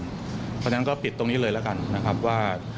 เพราะฉะนั้นก็ปิดตรงนี้เลยแล้วกันนะครับว่า